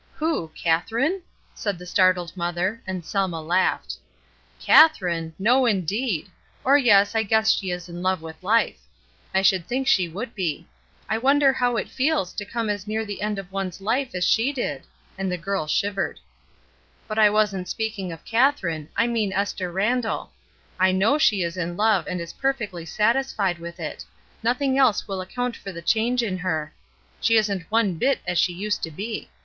''Who? Katherine?" said the startled mother, and Selma laughed. "'Katherine?' No, indeed! or, yes, I guess she is in love with life. I should think she would be. I wonder how it feels to come as near the end of one's life as she did?" and the girl shivered, "But I wasn't speaking of Katherine, I mean Esther Randall. I know she is in love, and is perfectly satisfied with it — nothing else will account for the change in her. She isn't one bit as she used to be.